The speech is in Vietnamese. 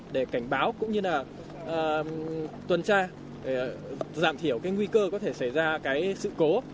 để cảnh báo cũng như là tuần tra để giảm thiểu nguy cơ có thể xảy ra sự cố